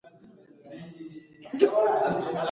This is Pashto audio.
د هغې نوم تر تل پاتې بل څه مهم دی.